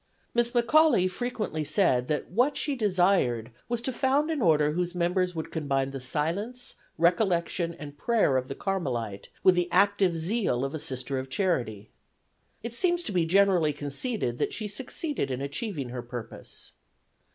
Miss McAuley frequently said that what she desired was to found an order whose members would combine the silence, recollection and prayer of the Carmelite with the active zeal of a Sister of Charity. It seems to be generally conceded that she succeeded in achieving her purpose.